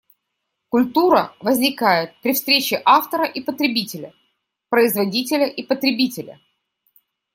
Культура возникает при встрече автора и потребителя, производителя и потребителя.